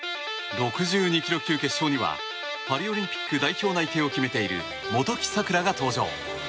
６２ｋｇ級決勝にはパリオリンピック代表内定を決めている元木咲良が登場。